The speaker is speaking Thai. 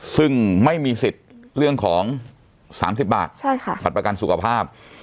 ซึ่งไม่มีสิทธิ์เรื่องของ๓๐บาทบัตรประกันสุขภาพ